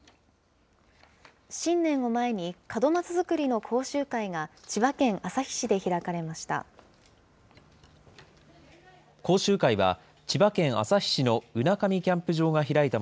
新年を前に、門松作りの講習会が千葉県旭市で開かれました。